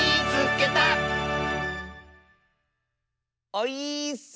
オイーッス！